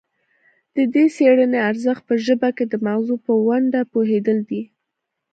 د دې څیړنې ارزښت په ژبه کې د مغزو پر ونډه پوهیدل دي